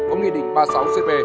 ông nghị định ba mươi sáu cb